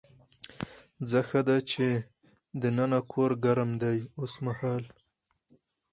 ځه ښه ده چې دننه کور ګرم دی اوسمهال.